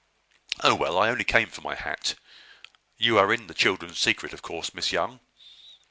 "Oh, well, I only came for my hat. You are in the children's secret, of course, Miss Young?"